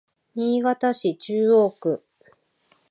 新潟市中央区